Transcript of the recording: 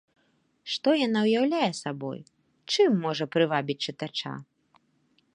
Што яна ўяўляе сабой, чым можа прывабіць чытача?